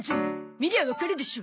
見りゃわかるでしょ。